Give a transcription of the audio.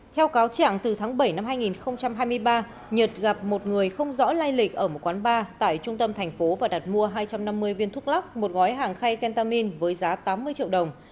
theo cáo trạng từ tháng bảy năm hai nghìn hai mươi ba nhật gặp một người không rõ lai lịch ở một quán bar tại trung tâm thành phố và đặt mua hai trăm năm mươi viên thuốc lắc một gói hàng khay kentamin với giá tám mươi triệu đồng